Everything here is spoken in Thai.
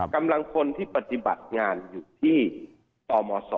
กำลังคนที่ปฏิบัติงานอยู่ที่ตม๒